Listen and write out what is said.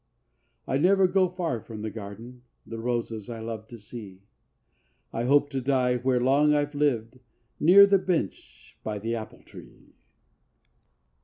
I never go far from the garden, The roses I love to see; I hope to die where long I've lived— Near the bench by the apple tree.